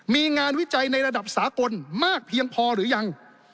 มีงานวิจัยในระดับสากลมากเพียงพอหรือยัง